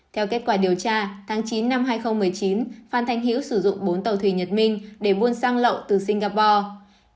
theo kết quả điều tra tháng chín năm hai nghìn một mươi chín phan thanh hiễu sử dụng bốn tàu thủy nhật minh để buôn sang lậu từ singapore